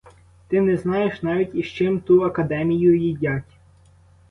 Ти не знаєш навіть із чим ту академію їдять.